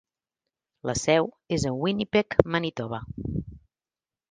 La seu és a Winnipeg Manitoba.